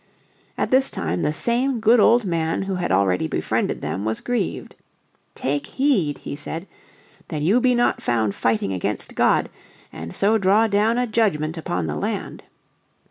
At this time the same good old man who had already befriended them was grieved. "Take heed," he said, "that you be not found fighting against God, and so draw down a judgment upon the land."